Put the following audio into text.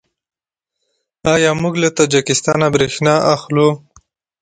آیا موږ له تاجکستان بریښنا اخلو؟